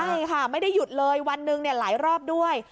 ใช่ค่ะไม่ได้หยุดเลยวันหนึ่งหลายรอบด้วย